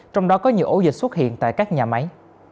trong đó có nhiều ổ dịch xuất hiện tại các nhà máy